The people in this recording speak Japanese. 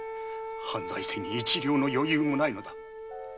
藩財政に一両の余裕もないのだ。